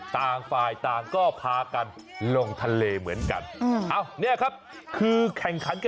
ต่างฝ่ายต่างก็พากันลงทะเลเหมือนกัน